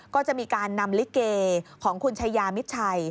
ก็จะมีการนำลิเกของคุณชายามิดชัย